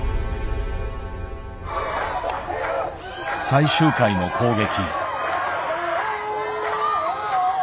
最終回の攻撃。